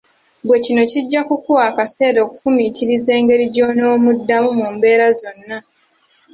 Ggwe kino kijja kukuwa akaseera okufumintiriza engeri gy’onoomuddamu mu mbeera zonna.